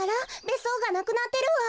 べっそうがなくなってるわ。